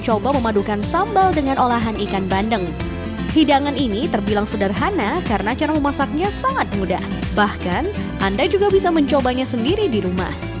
jadi saya mengenalkan ini biar orang orang macam negara